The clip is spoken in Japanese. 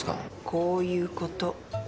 こういうこと。